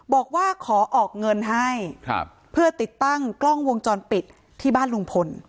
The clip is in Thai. บอกว่าขอออกเงินให้เพื่อติดตั้งกล้องวงจรปิดที่บ้านลุงพล